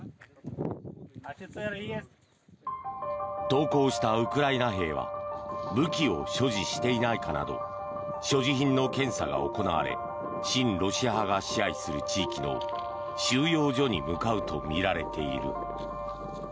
投降したウクライナ兵は武器を所持していないかなど所持品の検査が行われ親ロシア派が支配する地域の収容所に向かうとみられている。